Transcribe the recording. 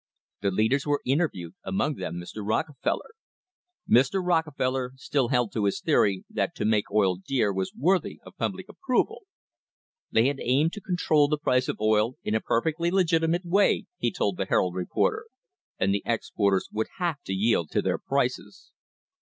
The leaders were interviewed, among them Mr. Rockefeller. Mr. Rockefeller still held to his theory that to make oil dear was worthy of public approval. They had aimed to control the price of oil in a perfectly legitimate way, he told the Herald reporter, and the exporters would have to yield to their prices.